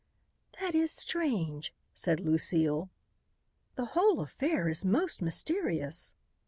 "That is strange!" said Lucile. "The whole affair is most mysterious!